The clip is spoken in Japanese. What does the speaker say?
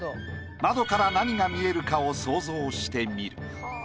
窓から何が見えるかを想像してみる。